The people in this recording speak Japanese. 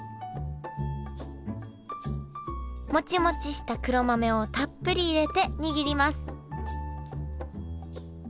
モチモチした黒豆をたっぷり入れて握ります